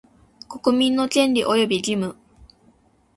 国民の権利及び義務